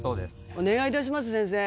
お願い致します先生。